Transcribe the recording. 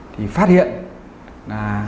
thì phát hiện